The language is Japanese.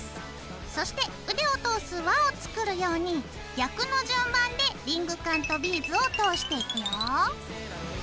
そして腕を通す輪を作るように逆の順番でリングカンとビーズを通していくよ。